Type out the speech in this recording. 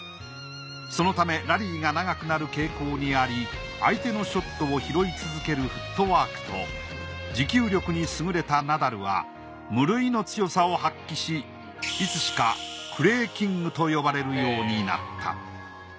そのためラリーが長くなる傾向にあり相手のショットを拾い続けるフットワークと持久力に優れたナダルは無類の強さを発揮しいつしかクレーキングと呼ばれるようになった。